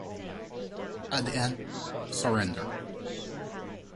At the end: surrender.